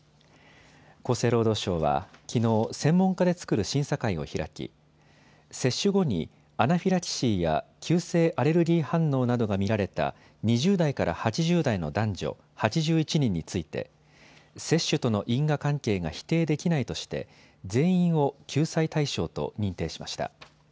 厚生労働省はきのう専門家で作る審査会を開き接種後にアナフィラキシーや急性アレルギー反応などが見られた２０代から８０代の男女８１人について接種との因果関係が否定できないとして全員を救済対象と認定しました。